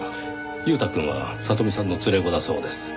裕太くんは里美さんの連れ子だそうです。